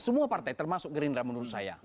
semua partai termasuk gerindra menurut saya